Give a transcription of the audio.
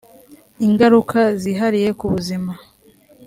ingaruka zihariye ku buzima